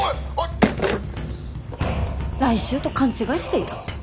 来週と勘違いしていたって。